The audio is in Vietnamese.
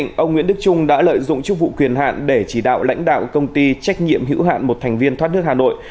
ông nguyễn đức trung đã lợi dụng chức vụ quyền hạn để chỉ đạo lãnh đạo công ty trách nhiệm hữu hạn một thành viên thoát nước hà nội